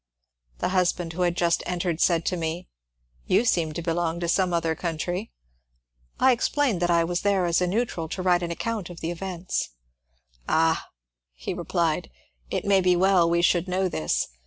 The husband who had just entered said to me, ^^ You seem to belong to some other country." I explained that I was there as a neutral to write an account of events. ^^ Ah," he replied, ^' it may be well we should know this.